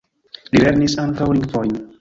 Li lernis ankaŭ lingvojn.